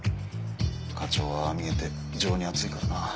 課長はああ見えて情に厚いからな。